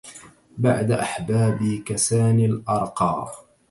بعد أحبابي كساني الأرقا